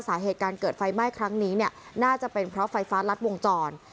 สาเหตุการเกิดไฟไหม้ครั้งนี้เนี่ยน่าจะเป็นเพราะไฟฟ้ารัดวงจร